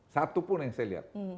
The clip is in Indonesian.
satupun yang saya lihat